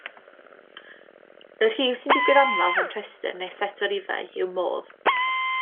Y rhif sy'n digwydd amlaf mewn rhestr neu set o rifau yw modd.